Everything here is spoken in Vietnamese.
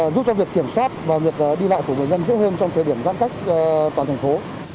giúp cho việc kiểm soát và việc đi lại của người dân dễ hơn trong thời điểm giãn cách toàn thành phố